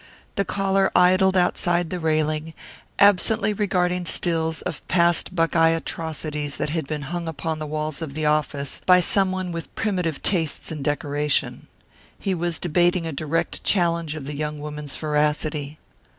The caller idled outside the railing, absently regarding stills of past Buckeye atrocities that had been hung upon the walls of the office by someone with primitive tastes in decoration. He was debating a direct challenge of the young woman's veracity.